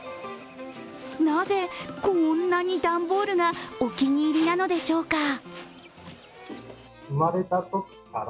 なぜ、こんなに段ボールがお気に入りなのでしょうか。